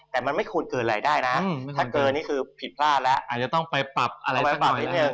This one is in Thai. แต่มันไม่ควรเกินรายได้นะถ้าเกินนี่คือผิดพลาดแล้วอาจจะต้องไปปรับอะไรสักหน่อยนะครับ